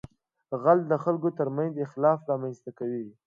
غل د خلکو تر منځ اختلاف رامنځته کوي